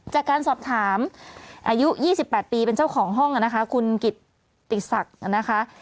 จากการสอบถามอายุ๒๘ปีเป็นเจ้าของห้องนะคะคุณกิตติศักดิ์นะคะ